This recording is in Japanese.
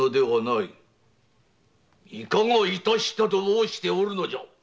いかがいたしたと申しておるのじゃ。